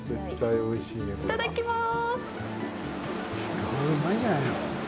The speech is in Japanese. いただきます！